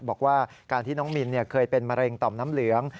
บอกว่าการที่น้องมินเคยเป็นมะเร็งต่อมน้ำเหลือง